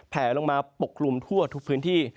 แผลลงมาปกคลุมทั่วทุกพื้นที่